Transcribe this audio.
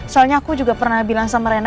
soalnya aku juga pernah bilang sama rena